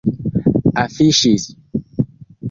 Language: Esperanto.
afiŝis